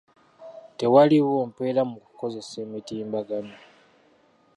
Tewaliiwo mpeera mu kukozesa emitimbagano.